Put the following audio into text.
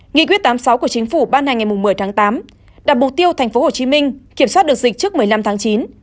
nghị quyết tám mươi sáu của chính phủ ban hành ngày một mươi tháng tám đặt mục tiêu thành phố hồ chí minh kiểm soát được dịch trước một mươi năm tháng chín